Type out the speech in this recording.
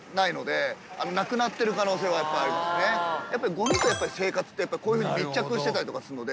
ごみと生活ってこういうふうに密着してたりとかするので。